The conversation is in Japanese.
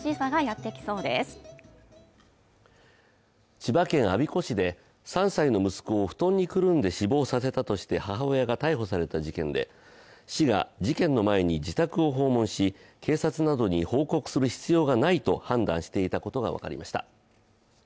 千葉県我孫子市で３歳の息子を布団にくるんで死亡させたとして母親が逮捕された事件で市が事件の前に自宅を訪問し警察などに報告する必要がないと判断していたことが分かりました。